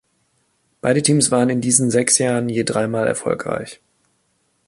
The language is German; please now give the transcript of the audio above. Beide Teams waren in diesen sechs Jahren je dreimal erfolgreich.